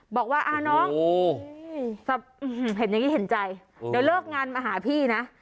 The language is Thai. บอกว่าน้องเห็นอย่างนี้เห็นใจเดี๋ยวเลิกงานมาหาพี่นะ